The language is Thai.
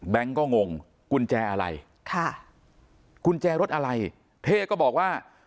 ก็งงกุญแจอะไรค่ะกุญแจรถอะไรเท่ก็บอกว่า